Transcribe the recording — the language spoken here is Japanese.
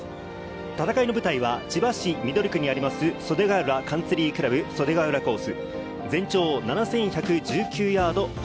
戦いの舞台は千葉市緑区にあります、袖ヶ浦カンツリークラブ、袖ヶ浦コース。